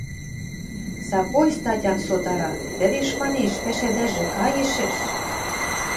Сакой статян сотара: – Тӹвеш, – манеш, – пӓшӓдӓжӹ каешӹш.